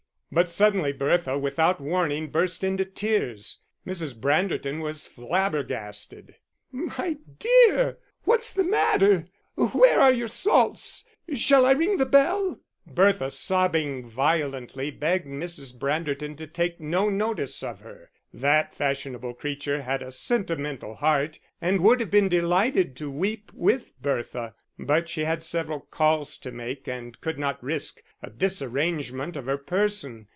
But suddenly Bertha, without warning, burst into tears. Mrs. Branderton was flabbergasted! "My dear, what is the matter? Where are your salts? Shall I ring the bell?" Bertha, sobbing violently, begged Mrs. Branderton to take no notice of her. That fashionable creature had a sentimental heart, and would have been delighted to weep with Bertha; but she had several calls to make, and could not risk a disarrangement of her person.